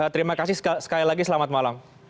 terima kasih sekali lagi selamat malam